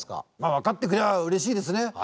わかってくれりゃうれしいですね。